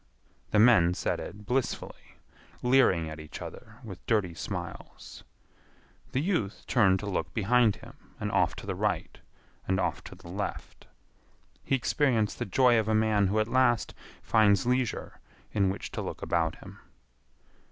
The men said it blissfully, leering at each other with dirty smiles. The youth turned to look behind him and off to the right and off to the left. He experienced the joy of a man who at last finds leisure in which to look about him.